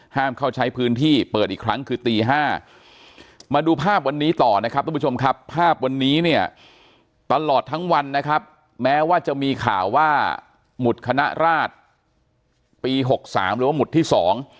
เข้าใช้พื้นที่เปิดอีกครั้งคือตีห้ามาดูภาพวันนี้ต่อนะครับทุกผู้ชมครับภาพวันนี้เนี่ยตลอดทั้งวันนะครับแม้ว่าจะมีข่าวว่าหมุดคณะราชปีหกสามหรือว่าหมุดที่สอง